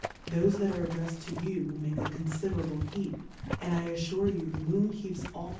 Thofe that are addrefsM to you will make a confiderable Heap ; and I affure you the Moon keeps all